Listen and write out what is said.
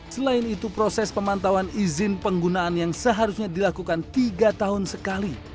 selain itu proses pemantauan izin penggunaan yang seharusnya dilakukan tiga tahun sekali